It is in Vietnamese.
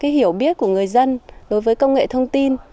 hiểu biết của người dân đối với công nghệ thông tin